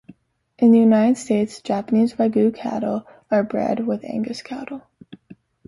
In the United States, Japanese Wagyu cattle are bred with Angus cattle.